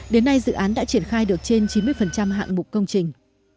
đến nay dự án đã triển khai được trên chín mươi hạng mục công trình